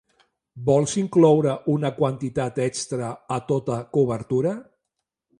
Vols incloure una quantitat extra a tota cobertura?